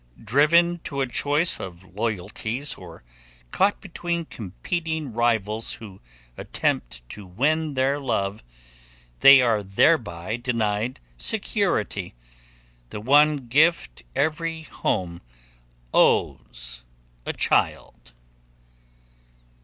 Driven to a choice of loyalties or caught between competing rivals who attempt to win their love, they are thereby denied security, the one gift every home owes a child.